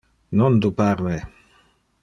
Non dupar me!